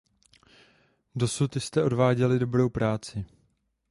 Dosud jste odváděli dobrou práci.